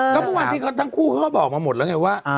ก็บางทีทั้งคู่ก็บอกมาหมดแล้วไงว่า